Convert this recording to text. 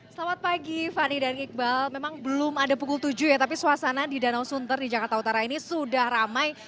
selamat pagi fani dan iqbal memang belum ada pukul tujuh ya tapi suasana di danau sunter di jakarta utara ini sudah ramai